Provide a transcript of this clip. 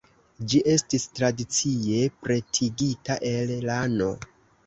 Ĝi estis tradicie pretigita el lano.